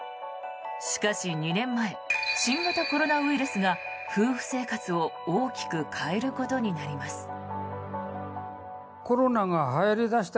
しかし２年前新型コロナウイルスが夫婦生活を大きく変えることになります。